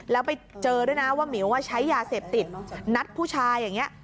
แล้วไปเจอด้วยนะว่าหมิวใช้ยาเสพติดนัดผู้ชายอย่างนี้